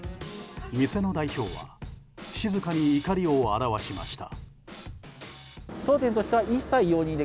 店の代表は静かに怒りを表しました。